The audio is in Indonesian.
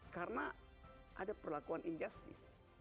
karena ada perlakuan injustice